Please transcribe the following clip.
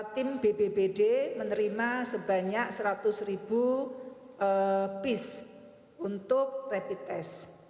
tim bpbd menerima sebanyak seratus ribu piece untuk rapid test